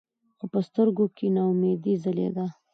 خو پۀ سترګو کښې ناامېدې ځلېده ـ